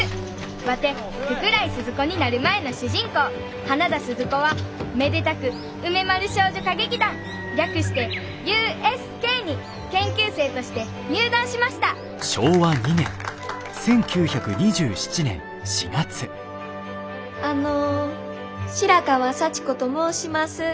ワテ福来スズ子になる前の主人公花田鈴子はめでたく梅丸少女歌劇団略してＵＳＫに研究生として入団しましたあの白川幸子と申します。